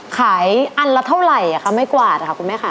ขายอันละเท่าไหร่อะค่ะไม้กวาดค่ะคุณแม่คะ